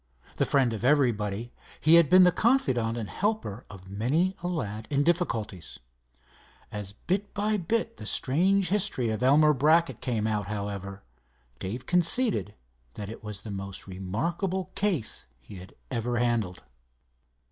The friend of everybody, he had been the confidant and helper of many a lad in difficulties. As bit by bit the strange history of Elmer Brackett came out, however, Dave conceded that it was the most remarkable case he had ever handled.